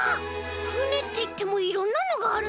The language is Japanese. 「ふね」っていってもいろんなのがあるねえ。